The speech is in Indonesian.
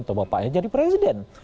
atau bapaknya jadi presiden